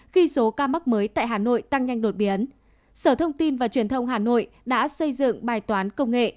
khi số ca mắc mới tại hà nội tăng nhanh đột biến sở thông tin và truyền thông hà nội đã xây dựng bài toán công nghệ